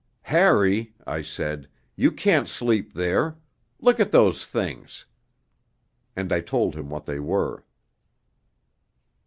'Harry,' I said, 'you can't sleep there; look at those things!' And I told him what they were.